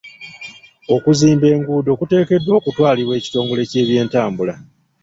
Okuzimba enguudo kuteekeddwa okutwalibwa ekitongole ky'ebyentambula.